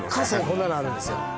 こんなのあるんですよ